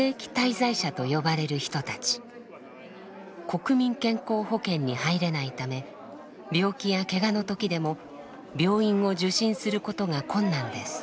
国民健康保険に入れないため病気やけがの時でも病院を受診することが困難です。